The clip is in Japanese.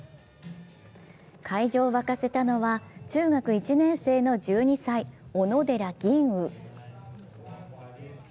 会場を沸かしたのは中学１年生の１２歳、小野寺吟雲。